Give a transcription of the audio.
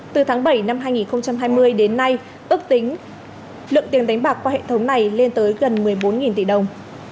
từ tháng bảy năm hai nghìn hai mươi đến nay ước tính lượng tiền đánh bạc qua hệ thống này lên tới gần một mươi bốn tỷ đồng